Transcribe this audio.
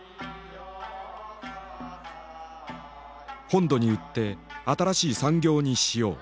「本土に売って新しい産業にしよう」。